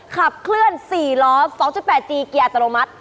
ขับเคลื่อน๔ล้อ๒๘จีเกียร์อัตโนมัติ